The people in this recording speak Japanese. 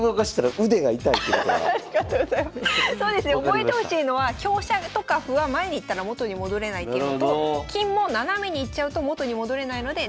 覚えてほしいのは香車とか歩は前に行ったら元に戻れないっていうのと金も斜めに行っちゃうと元に戻れないのでできるだけ縦横に使おうと。